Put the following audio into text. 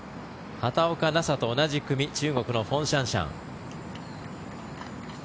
畑岡奈紗と同じ組中国のフォン・シャンシャン。